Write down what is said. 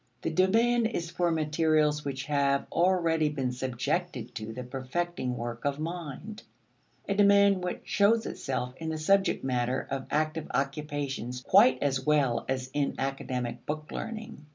The demand is for materials which have already been subjected to the perfecting work of mind: a demand which shows itself in the subject matter of active occupations quite as well as in academic book learning.